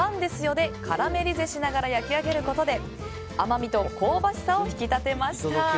でカラメリゼしながら焼き上げることで甘みと香ばしさを引き立てました。